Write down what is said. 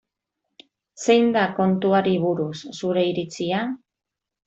Zein da kontuari buruz zure iritzia?